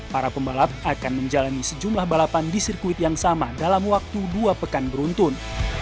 para pembalap akan menjalani sejumlah balapan di sirkuit yang sama dalam waktu dua pekan beruntun